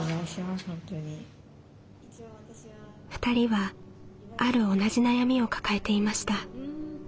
２人はある同じ悩みを抱えていました。